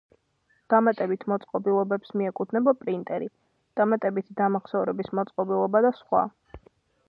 დამატებით მოწყობილობებს მიეკუთვნება პრინტერი, დამატებითი დამახსოვრების მოწყობილობა და სხვა